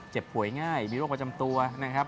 ป่วยง่ายมีโรคประจำตัวนะครับ